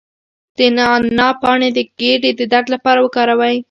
د نعناع پاڼې د ګیډې د درد لپاره وکاروئ